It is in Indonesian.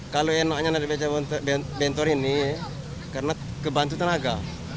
kalau enaknya dari bentor ini karena kebantu tenaga